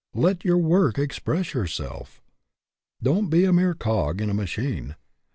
Let your work ex press yourself. Don't be a mere cog in a machine.